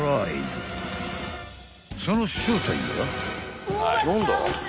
［その正体は？］